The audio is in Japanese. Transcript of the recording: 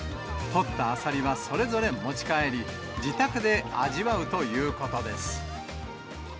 取ったアサリはそれぞれ持ち帰り、自宅で味わうということです。